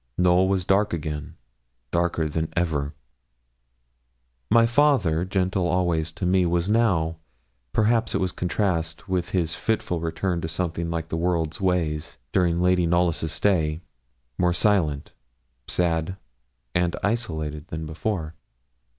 Knowl was dark again darker than ever. My father, gentle always to me, was now perhaps it was contrast with his fitful return to something like the world's ways, during Lady Knollys' stay more silent, sad, and isolated than before.